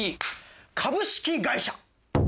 株式会社！